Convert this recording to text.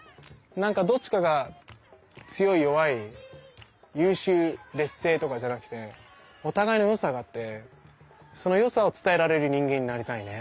どっちかが強い弱い優秀劣勢とかじゃなくてお互いの良さがあってその良さを伝えられる人間になりたいね。